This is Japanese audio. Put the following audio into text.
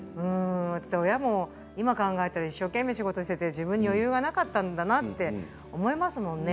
親も今考えたら一生懸命仕事していて自分に余裕がなかったんだなと思いますよね。